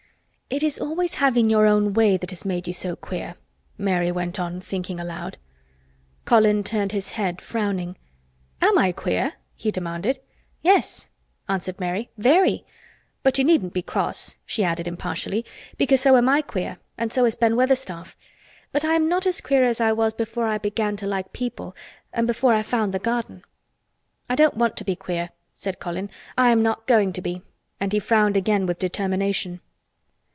"It is always having your own way that has made you so queer," Mary went on, thinking aloud. Colin turned his head, frowning. "Am I queer?" he demanded. "Yes," answered Mary, "very. But you needn't be cross," she added impartially, "because so am I queer—and so is Ben Weatherstaff. But I am not as queer as I was before I began to like people and before I found the garden." "I don't want to be queer," said Colin. "I am not going to be," and he frowned again with determination.